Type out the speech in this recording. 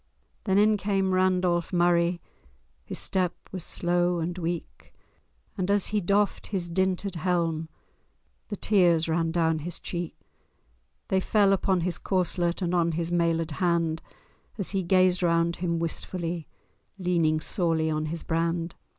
V Then in came Randolph Murray, His step was slow and weak, And, as he doffed his dinted helm, The tears ran down his cheek: They fell upon his corslet And on his mailed hand, As he gazed around him wistfully, Leaning sorely on his brand.